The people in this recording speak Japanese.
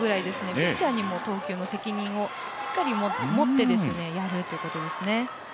ピッチャーにも投球の責任をしっかり持ってやるってことですね。